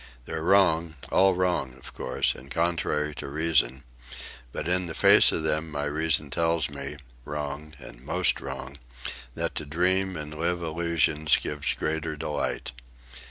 They're wrong, all wrong, of course, and contrary to reason; but in the face of them my reason tells me, wrong and most wrong, that to dream and live illusions gives greater delight.